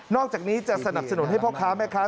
อกจากนี้จะสนับสนุนให้พ่อค้าแม่ค้า